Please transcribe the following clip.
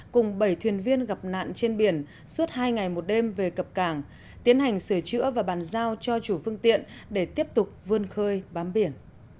cùng bảy thuyền viên gặp nạn trên biển suốt hai ngày một đêm về cập cảng tiến hành sửa chữa và bàn giao cho chủ phương tiện để tiếp tục vươn khơi bám biển